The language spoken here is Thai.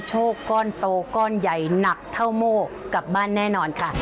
โชคก้อนโตก้อนใหญ่หนักเท่าโมกกลับบ้านแน่นอนค่ะ